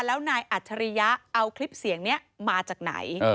แล้วนายอัจฉริยะเอาคลิปเสียงนี้มาจากไหน